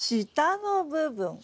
下の部分。